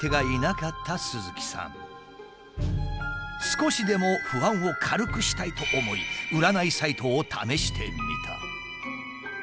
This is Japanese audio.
少しでも不安を軽くしたいと思い占いサイトを試してみた。